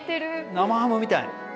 生ハムみたい。